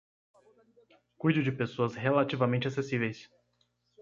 Cuide de pessoas relativamente acessíveis